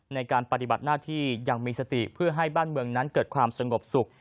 ในการปฏิบัติหน้าที่อย่างมีสติเพื่อให้บ้านเมืองนั้นเกิดความสงบสุข